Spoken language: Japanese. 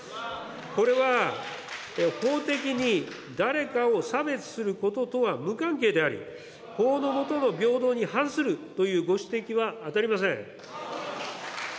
これは、法的に誰かを差別することとは無関係であり、法の下の平等に反するというご指摘は当たりません。